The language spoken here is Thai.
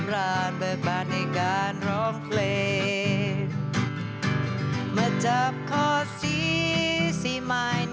กลับมาดีกลับที่จริง